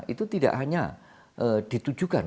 itu tidak hanya ditujukan